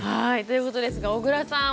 ということですが小倉さん